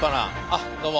あっどうも。